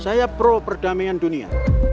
saya pro perdamaian dunia